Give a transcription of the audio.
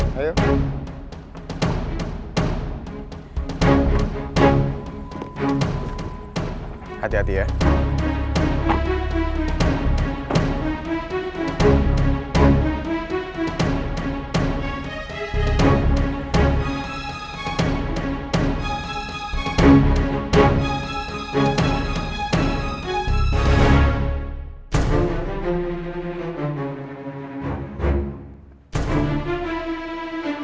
mari kami antar pulang mbak